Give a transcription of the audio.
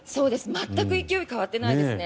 全く勢い、変わってないですね。